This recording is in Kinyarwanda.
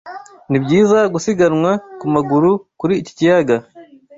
Ni byiza gusiganwa ku maguru kuri iki kiyaga.